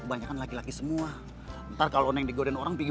jangan disonok banyak laki laki semua ntar kalau yang di goden tak gimana ah baiklah